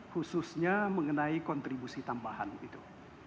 khususnya mengenai kontribusi tambahan itu